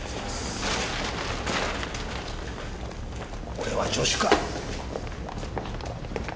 俺は助手かっ。